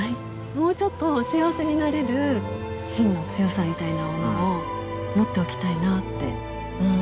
もうちょっと幸せになれるしんの強さみたいなものを持っておきたいなってうん。